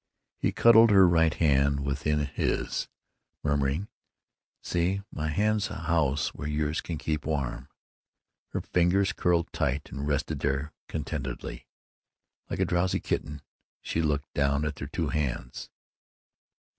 He cuddled her right hand within his, murmuring: "See, my hand's a house where yours can keep warm." Her fingers curled tight and rested there contentedly. Like a drowsy kitten she looked down at their two hands.